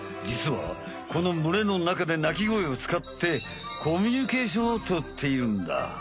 じつはこのむれのなかで鳴き声をつかってコミュニケーションをとっているんだ。